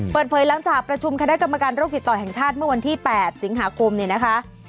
เปิดเผยหลังจากประชุมคณะกรรมการโรคติดต่อแห่งชาติเมื่อวันที่๘สิงหาคมเนี่ยนะคะ